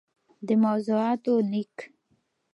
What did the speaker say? دموضوعاتو ليــک